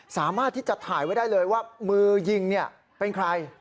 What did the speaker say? สามารถที่จะถ่ายไว้ได้เลยว่ามือยิงเป็นใคร